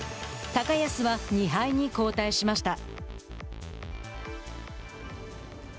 高安は２敗に後退しました。